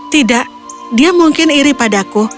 tidak dia mungkin iri padaku